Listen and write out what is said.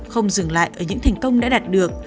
không dừng lại ở những thành công đã đạt được